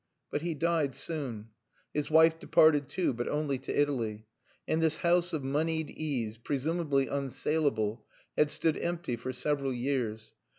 But he died soon. His wife departed too (but only to Italy), and this house of moneyed ease, presumably unsaleable, had stood empty for several years.